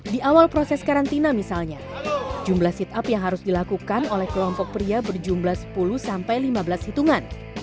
di awal proses karantina misalnya jumlah sit up yang harus dilakukan oleh kelompok pria berjumlah sepuluh sampai lima belas hitungan